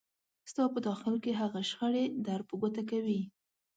ستاسو په داخل کې هغه شخړې در په ګوته کوي.